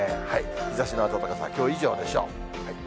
日ざしの暖かさ、きょう以上でしょう。